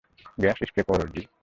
Gas spray করো, যী!